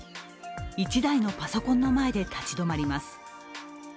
１台のパソコンの前で立ち止まります。